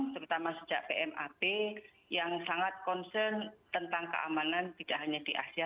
terutama sejak pmap yang sangat concern tentang keamanan tidak hanya di asia